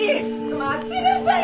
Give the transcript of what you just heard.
待ちなさいよ！